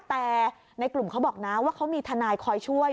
แต่ในกลุ่มเขาบอกนะว่าเขามีทนายคอยช่วย